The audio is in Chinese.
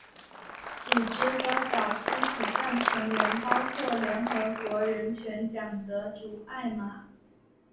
组织的早期骨干成员包括联合国人权奖得主艾玛。